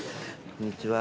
こんにちは。